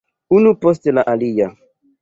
Unu post la alia.